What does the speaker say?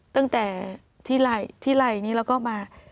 ตั้งแต่ที่ไหล่นี้แล้วก็มา